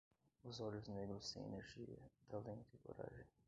Os olhos negros têm energia, talento e coragem.